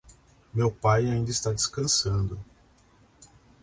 Meu pai ainda está descansando.